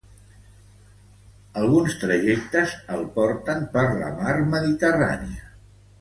Alguns trajectes el porten per la mar Mediterrània.